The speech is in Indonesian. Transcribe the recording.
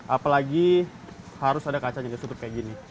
apalagi harus ada kaca yang disutup kayak gini